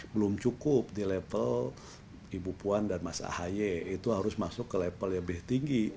belum cukup di level ibu puan dan mas ahaye itu harus masuk ke level yang lebih tinggi